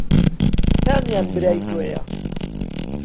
کامیان برای تۆیە؟